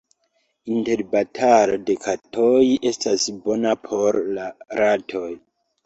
Interbatalo de katoj estas bona por la ratoj.